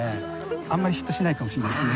あんまりヒットしないかもしれないですね。